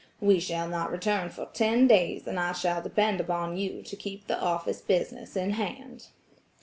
We shall not return for ten days and I shall depend upon you to keep the office business in hand."